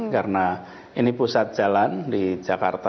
karena ini pusat jalan di jakarta